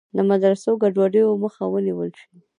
د مدرسو د ګډوډیو مخه ونیول شي.